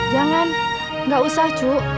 jangan nggak usah cuk